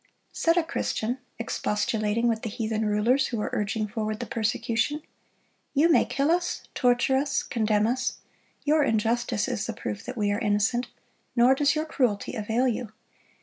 Said a Christian, expostulating with the heathen rulers who were urging forward the persecution: You may "kill us, torture us, condemn us.... Your injustice is the proof that we are innocent.... Nor does your cruelty ... avail you."